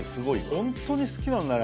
本当に好きなんだね。